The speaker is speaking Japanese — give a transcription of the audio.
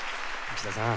内田さん